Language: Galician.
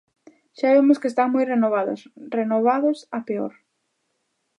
Xa vemos que están moi renovados, renovados a peor.